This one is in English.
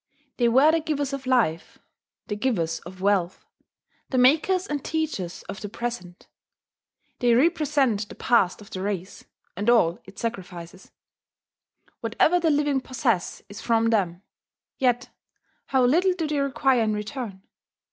They were the givers of life, the givers of wealth, the makers and teachers of the present: they represent the past of the race, and all its sacrifices; whatever the living possess is from them. Yet how little do they require in return!